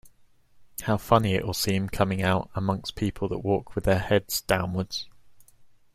How funny it’ll seem coming out among people that walk with their heads downward!